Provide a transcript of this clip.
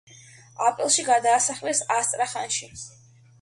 აპრილში გადაასახლეს ასტრახანში.